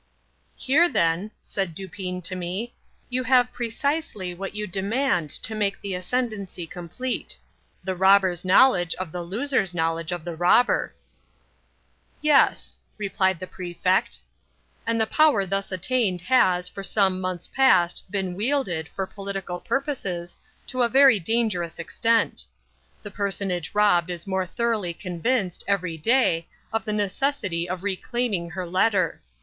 "Here, then," said Dupin to me, "you have precisely what you demand to make the ascendancy complete—the robber's knowledge of the loser's knowledge of the robber." "Yes," replied the Prefect; "and the power thus attained has, for some months past, been wielded, for political purposes, to a very dangerous extent. The personage robbed is more thoroughly convinced, every day, of the necessity of reclaiming her letter.